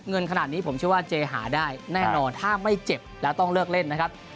เงินขนาดนี้ผมเชื่อว่าเจหาได้แน่นอนถ้าไม่เจ็บแล้วต้องเลิกเล่นนะครับ